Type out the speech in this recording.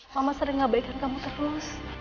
mama sering ngabaikan kamu terus